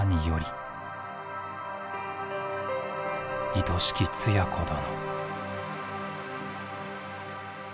「いとしきツヤ子殿」。